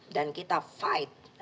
dan kita fight